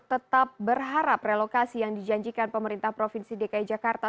tetap berharap relokasi yang dijanjikan pemerintah provinsi dki jakarta